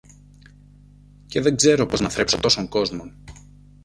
Και δεν ξέρω πώς να θρέψω τόσον κόσμον!